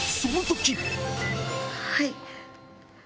はい。